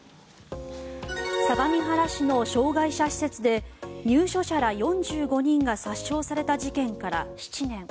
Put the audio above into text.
相模原市の障害者施設で入所者ら４５人が殺傷された事件から７年。